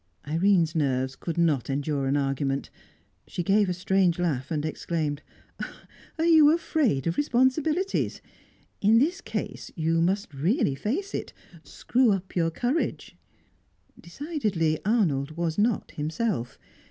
Irene's nerves could not endure an argument. She gave a strange laugh, and exclaimed: "Are you afraid of responsibilities? In this case, you must really face it. Screw up your courage." Decidedly, Arnold was not himself.